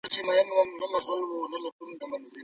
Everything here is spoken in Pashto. آیا د نوي تعلیمي نظام کتابونه وړیا دي؟